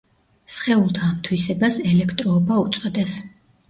სხეულთა ამ თვისებას ელექტროობა უწოდეს.